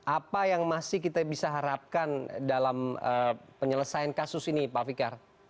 apa yang masih kita bisa harapkan dalam penyelesaian kasus ini pak fikar